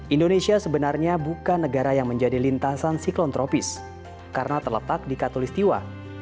indonesia sebenarnya bukan negara yang menjadi lintasan siklon tropis karena terletak di katolistiwa